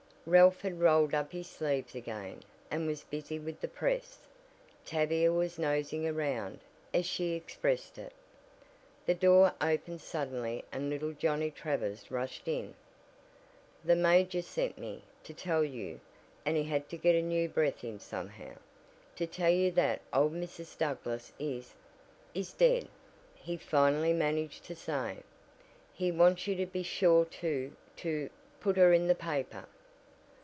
Ralph had rolled up his sleeves again, and was busy with the press. Tavia was "nosing around," as she expressed it. The door opened suddenly and little Johnnie Travers rushed in. "The major sent me to tell you " and he had to get a new breath in somehow "to tell you that old Mrs. Douglass is is dead!" he finally managed to say. "He wants you to be sure to to put her in the paper."